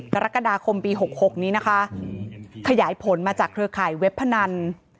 กรกฎาคมปี๖๖นี้นะคะขยายผลมาจากเครือข่ายเว็บพนัน